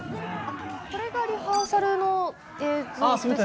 これがリハーサルの映像ですね。